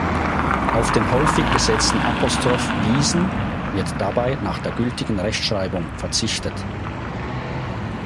Auf den häufig gesetzten Apostroph "Wies’n" wird dabei nach der gültigen Rechtschreibung verzichtet.